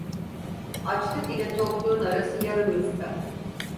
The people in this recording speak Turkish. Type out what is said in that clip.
Açlık ile tokluğun arası yarım yufka.